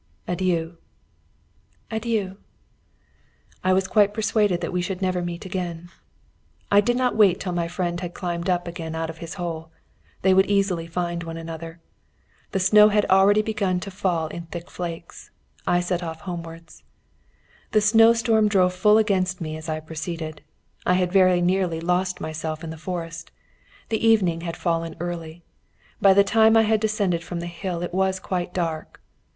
"Adieu!" "Adieu!" I was quite persuaded that we should never meet again. I did not wait till my friend had climbed up again out of his hole. They would easily find one another. The snow had already begun to fall in thick flakes. I set off homewards. The snowstorm drove full against me as I proceeded. I had very nearly lost myself in the forest. The evening had fallen early; by the time I had descended from the hill it was quite dark.